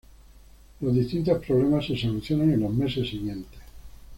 Los distintos problemas se solucionan en los meses siguientes.